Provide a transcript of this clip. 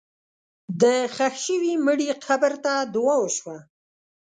د ښخ شوي مړي قبر ته دعا وشوه.